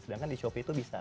sedangkan di shopee itu bisa